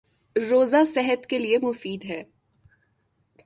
روزہ صحت کے لیے مفید ہے